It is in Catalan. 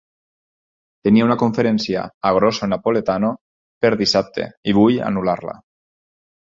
Tenia una conferència a Grosso Napoletano per dissabte i vull anul·lar-la.